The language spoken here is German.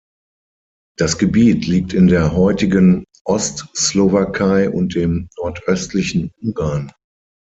Das Gebiet liegt in der heutigen Ostslowakei und dem nordöstlichen Ungarn.